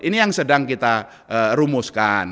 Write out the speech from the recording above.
ini yang sedang kita rumuskan